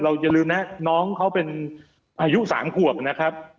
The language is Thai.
อย่าลืมนะน้องเขาเป็นอายุ๓ขวบนะครับ